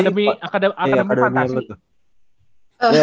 iya akademi apa tuh